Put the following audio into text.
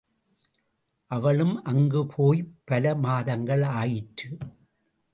அவளும் அங்கு போய் பல மாதங்கள் ஆயிற்று.